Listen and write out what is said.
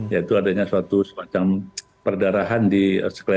yaitu adanya suatu semacam perdarahan di sekolah